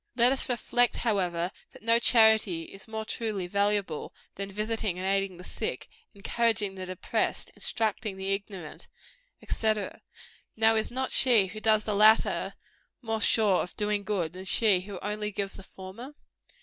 Let us reflect, however, that no charity is more truly valuable, than visiting and aiding the sick, encouraging the depressed, instructing the ignorant, &c. Now is not she who does the latter, more sure of doing good than she who only gives the former?